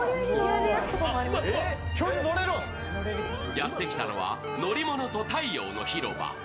やってきたのは、のりものと太陽の広場。